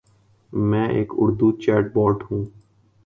میں ایک Urdu chatbot ہوں۔